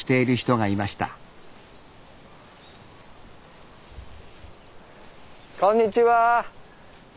はいこんにちは。